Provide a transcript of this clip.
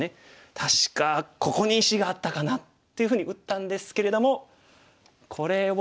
「確かここに石があったかな？」っていうふうに打ったんですけれどもこれは。